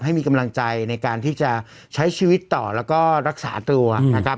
ให้มีกำลังใจในการที่จะใช้ชีวิตต่อแล้วก็รักษาตัวนะครับ